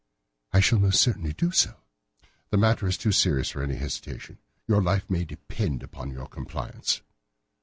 "I shall most certainly do so." "The matter is too serious for any hesitation. Your life may depend upon your compliance."